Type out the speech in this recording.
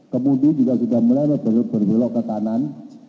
kemudian juga sudah mulai berbelok ke kanan